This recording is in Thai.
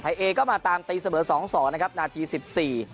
เอก็มาตามตีเสมอสองสองนะครับนาทีสิบสี่